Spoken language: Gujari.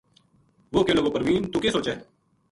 وہ کہن لگو پروین توہ کے سوچے ؟